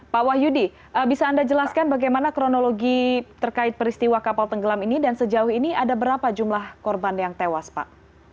pak wahyudi bisa anda jelaskan bagaimana kronologi terkait peristiwa kapal tenggelam ini dan sejauh ini ada berapa jumlah korban yang tewas pak